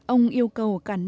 ông yêu cầu trống paranưng